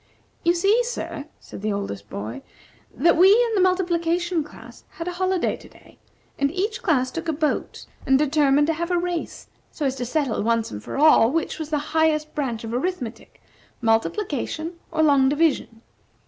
"You see, sir," said the oldest boy, "that we and the Multiplication Class had a holiday to day, and each class took a boat and determined to have a race, so as to settle, once for all, which was the highest branch of arithmetic, multiplication or long division.